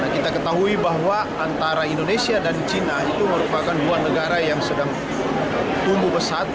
kita ketahui bahwa antara indonesia dan china itu merupakan dua negara yang sedang tumbuh pesat